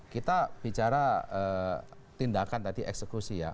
kita bicara tindakan tadi eksekusi ya